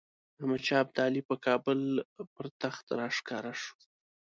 احمدشاه ابدالي په کابل پر تخت راښکاره شو.